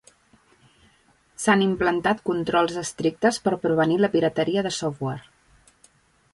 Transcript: S'han implantat controls estrictes per prevenir la pirateria de software.